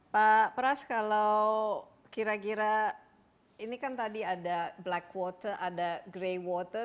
pak pras kalau kira kira ini kan tadi ada black water ada grey water